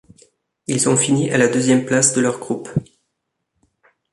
Ils ont fini à la deuxième place de leur groupe.